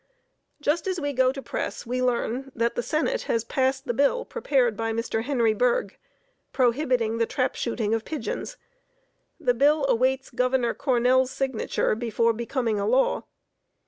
_ Just as we go to press we learn that the Senate has passed the bill prepared by Mr. Henry Bergh prohibiting the trap shooting of pigeons. The bill awaits Governor Cornell's signature before becoming a law.